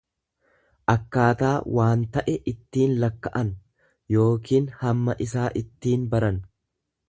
akkaataa waan ta'e itti lakka'an yookiin hamma isaa ittiin baran.